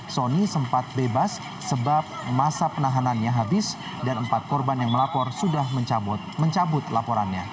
sony sempat bebas sebab masa penahanannya habis dan empat korban yang melapor sudah mencabut laporannya